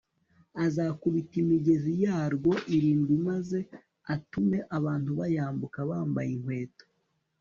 azakubita imigezi yarwo irindwi maze atume abantu bayambuka bambaye inkweto